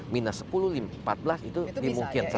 minus sepuluh empat belas itu dimungkinkan